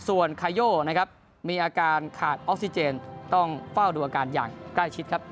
ส่วนคาโยนะครับมีอาการขาดออกซิเจนต้องเฝ้าดูอาการอย่างใกล้ชิดครับ